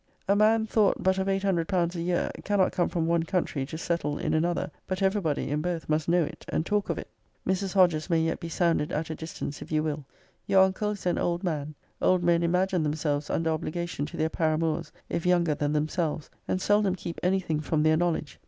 >>> A man, thought but of £.800 a year, cannot come from one country to settle in another, but every body in both must know it, and talk of it. >>> Mrs. Hodges may yet be sounded at a distance, if you will. Your uncle is an old man. Old men imagine themselves under obligation to their para >>> mours, if younger than themselves, and seldom keep any thing from their knowledge.